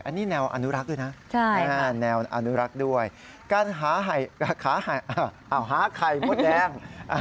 อันนี้แนวอนุรักษ์ด้วยนะแนวอนุรักษ์ด้วยการหาไข่มดแดง